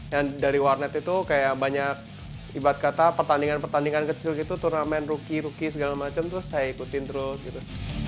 yang dari warnet itu kayak banyak ibad kata pertandingan pertandingan kecil gitu turnamen rookie rookie segala macam terus saya ikutin terus gitu